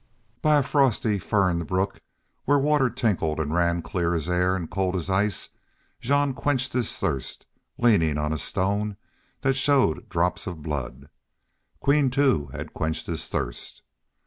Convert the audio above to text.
By a frosty ferned brook, where water tinkled and ran clear as air and cold as ice, Jean quenched his thirst, leaning on a stone that showed drops of blood. Queen, too, had to quench his thirst.